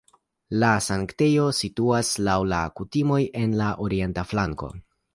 La sanktejo situas (laŭ la kutimoj) en la orienta flanko.